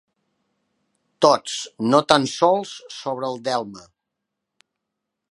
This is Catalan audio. Tots, no tan sols sobre el delme.